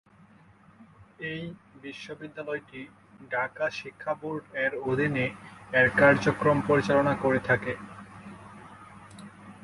এই বিদ্যালয়টি ঢাকা শিক্ষা বোর্ড এর অধীনে এর কার্যক্রম পরিচালনা করে থাকে।